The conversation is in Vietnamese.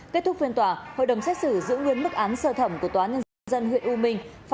kết thúc phiên tòa hội đồng xét xử giữ nguyên mức án sơ thẩm của tòa nhân dân huyện u minh